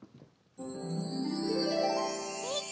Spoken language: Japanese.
みて！